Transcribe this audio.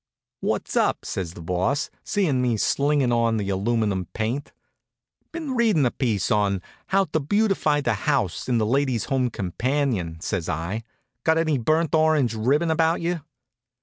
"What's up?" says the Boss, seeing me slinging on the aluminum paint. "Been readin' a piece on 'How to Beautify the House' in the 'Ladies' Home Companion,'" says I. "Got any burnt orange ribbon about you?"